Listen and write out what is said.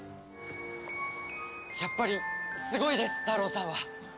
やっぱり、すごいですタロウさんは。